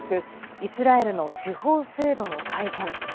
イスラエルの司法制度の改変。